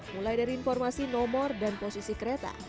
mulai dari informasi nomor dan posisi kereta